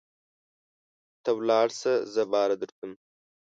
ته ولاړسه زه باره درځم.